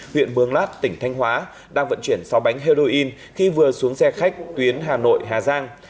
huyện mường lát tỉnh thanh hóa đang vận chuyển sáu bánh heroin khi vừa xuống xe khách tuyến hà nội hà giang